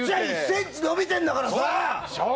こっちは１ｃｍ伸びてんだからさ！